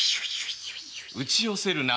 打ち寄せる波。